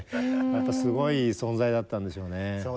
またすごい存在だったんでしょうね。